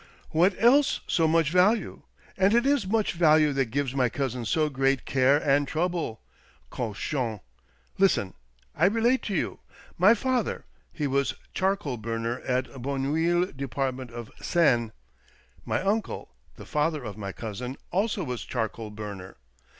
What else so much value ? And it is much value that gives my cousin so great care and trouble — cochon ! Listen ! I relate to you. My father — he was charcoal burner at Bonneuil, department of Seine. My uncle — the father of my cousin — also was charcoal burner.